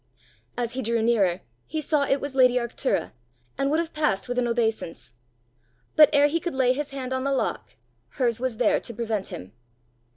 As he drew nearer, he saw it was lady Arctura, and would have passed with an obeisance. But ere he could lay his hand on the lock, hers was there to prevent him.